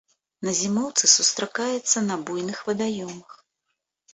На зімоўцы сустракаецца на буйных вадаёмах.